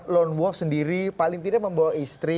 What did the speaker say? lone wolf sendiri paling tidak membawa istri